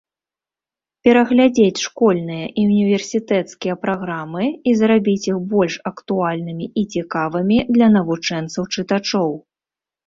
Пераглядзець школьныя і універсітэцкія праграмы і зрабіць іх больш актуальнымі і цікавымі для навучэнцаў-чытачоў.